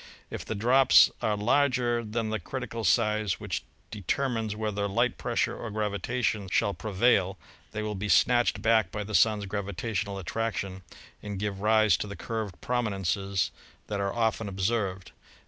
If the drops are larger than the critical size which de termines whether light pressure or gravitation shall pre vail they will be snatched back by the Sun's gravitational attraction and give rise to the curved prominences that ii 4 ASTRONOMY are often observed.